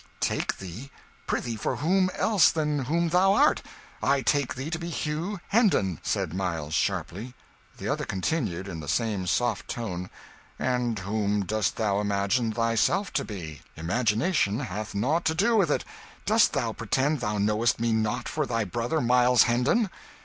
"Take thee? Prithee for whom else than whom thou art? I take thee to be Hugh Hendon," said Miles, sharply. The other continued, in the same soft tone "And whom dost thou imagine thyself to be?" "Imagination hath nought to do with it! Dost thou pretend thou knowest me not for thy brother Miles Hendon?"